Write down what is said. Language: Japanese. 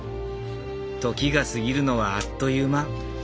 時が過ぎるのはあっという間。